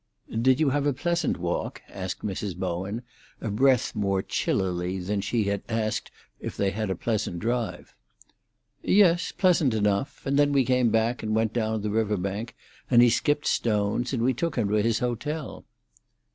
"Did you have a pleasant walk?" asked Mrs. Bowen, a breath more chillily than she had asked if they had a pleasant drive. "Yes, pleasant enough. And then we came back and went down the river bank, and he skipped stones, and we took him to his hotel."